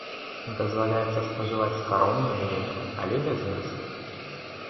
Дазваляецца спажываць скаромную ежу, але без мяса.